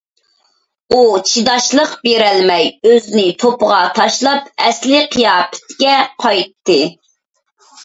ئۇ چىداشلىق بېرەلمەي ئۆزىنى توپىغا تاشلاپ ئەسلىي قىياپىتىگە قايتتى.